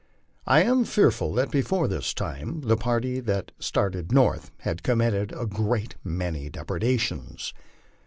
I am fearful that before this time the party that started north had committed a great many depredations.